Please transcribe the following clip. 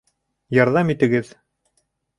Ярҙам итегеҙ!